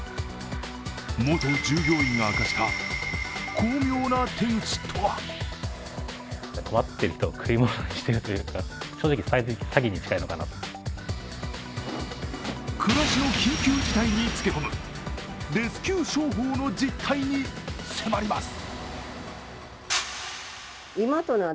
元従業員が明かした巧妙な手口とは暮らしの緊急事態につけ込むレスキュー商法の実態に迫ります。